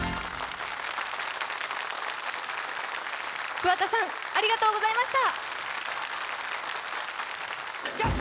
桑田さん、ありがとうございました。